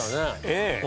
ええ。